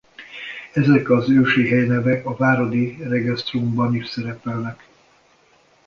Ezek az ősi helynevek a Váradi Regestrum-ban is szerepelnek.